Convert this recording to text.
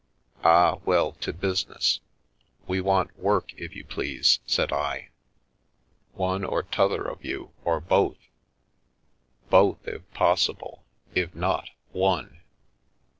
Ah, well, to busi ness." " We want work, if you please," said I. " One or t'other of you, or both ?"" Both, if possible. If not, one."